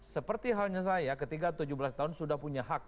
seperti halnya saya ketika tujuh belas tahun sudah punya hak